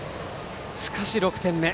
しかし、６点目。